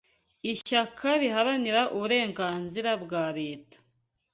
Ishyaka riharanira uburenganzira bwa Leta